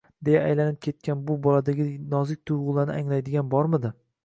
deya aylanib ketgan bu boladagi nozik tuyg'ularni anglaydigan bormidi?